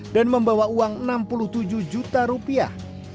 dan membawa uang enam puluh tujuh juta rupiah